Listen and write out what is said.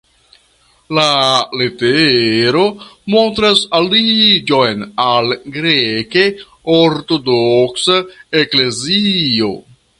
La letero montras aliĝon al Greke Ortodoksa Eklezio.